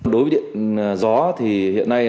đối với điện gió thì hiện nay